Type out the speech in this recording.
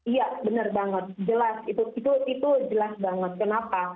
iya benar banget jelas itu jelas banget kenapa